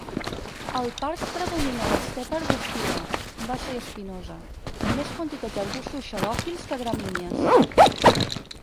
Al parc predomina l'estepa arbustiva, baixa i espinosa, amb més quantitat d'arbustos xeròfils que gramínies.